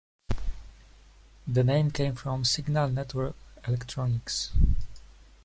The name came from Signal Network Electronics.